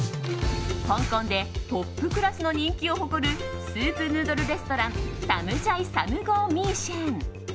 香港でトップクラスの人気を誇るスープヌードルレストランタムジャイサムゴーミーシェン。